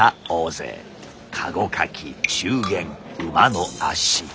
駕籠かき中間馬の足。